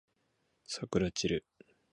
さくらちる